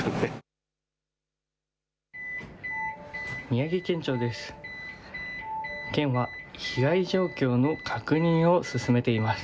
宮城県庁です。